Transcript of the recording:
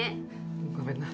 ごめんな。